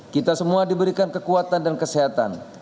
kita semua diberikan kekuatan dan kesehatan